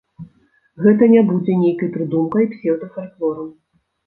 Гэта не будзе нейкай прыдумкай, псеўдафальклорам.